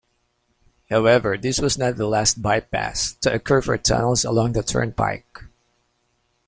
However, this was not the last bypass to occur for tunnels along the turnpike.